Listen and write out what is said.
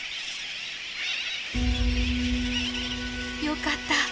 良かった。